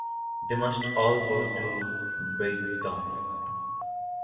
They must all go to Brighton.